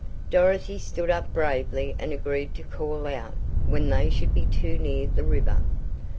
Dorothy stood up bravely and agreed to call out, when they should be too near the river.